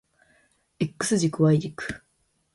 X 軸 Y 軸